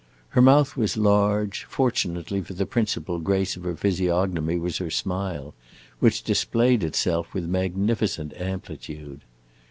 Her mouth was large, fortunately for the principal grace of her physiognomy was her smile, which displayed itself with magnificent amplitude.